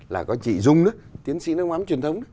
là có chị dung đó tiến sĩ nước mắm truyền thống